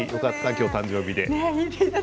今日誕生日で。